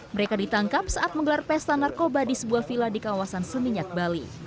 mereka ditangkap saat menggelar pesta narkoba di sebuah villa di kawasan seminyak bali